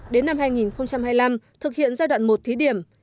đến năm hai nghìn hai mươi năm thực hiện giai đoạn một thí điểm